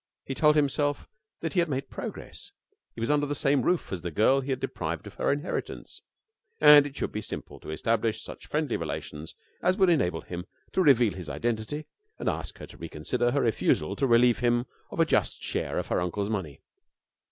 He told himself that he had made progress. He was under the same roof as the girl he had deprived of her inheritance, and it should be simple to establish such friendly relations as would enable him to reveal his identity and ask her to reconsider her refusal to relieve him of a just share of her uncle's money.